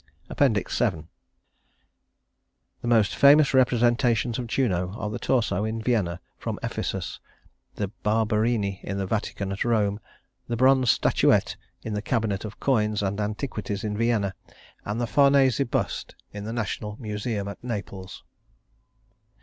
VII The most famous representations of Juno are the torso in Vienna from Ephesus, the Barberini in the Vatican at Rome, the bronze statuette in the Cabinet of Coins and Antiquities in Vienna, and the Farnese bust in the National Museum at Naples.